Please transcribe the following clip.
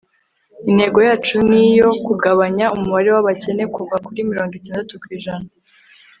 intego yacu ni iyo kugabanya umubare w'abakene kuva kuri mirongo itandatu ku ijana